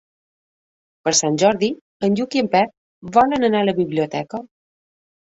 Per Sant Jordi en Lluc i en Pep volen anar a la biblioteca.